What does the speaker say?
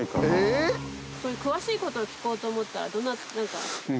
そういう詳しいことを聞こうと思ったらどなたに？